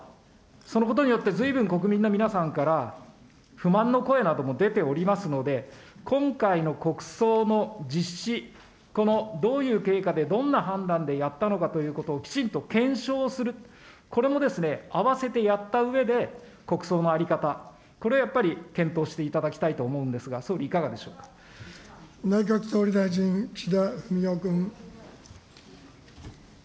そのことによって、ずいぶん、国民の皆さんから不満の声なども出ておりますので、今回の国葬の実施、このどういう経過で、どんな判断でやったのかということを、きちんと検証する、これもですね、併せてやったうえで、国葬の在り方、これやっぱり、検討していただきたいと思うんですが、総理、いか内閣総理大臣、岸田文雄君。